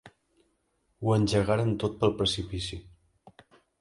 Ho engegaren tot pel precipici.